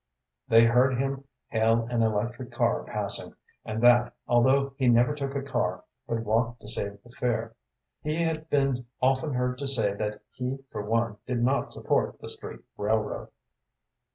They heard him hail an electric car passing, and that, although he never took a car, but walked to save the fare. He had been often heard to say that he for one did not support the street railroad.